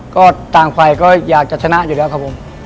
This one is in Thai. ก็ต่างฝ่ายก็อยากจะชนะอยู่แล้วครับผม